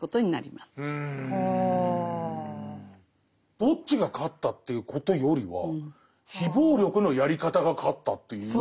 どっちが勝ったということよりは非暴力のやり方が勝ったという感じかな。